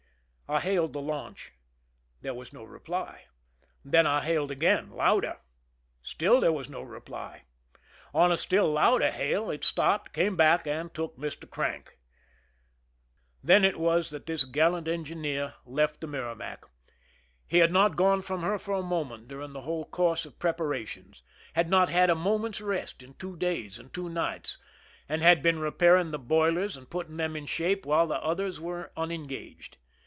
I hailed the launch. There was no reply. Then I hailed again, louder. StiU there was no reply. On a still louder hail it stopped, came back, and took Mr. Crank. Then it was that ' 87 THE SINKING OF THE "MERRIMAC" this gallant engineer left the Merrimac. He had not gone from her for a moment during the whole course of preparations, had not had a moment's rest in two days and two nights, and had been repairing the boilers and putting them in shape while the others were unengaged.